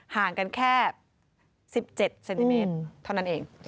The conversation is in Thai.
ห่างกันแค่๑๗เซนติเมตรเท่านั้นเอง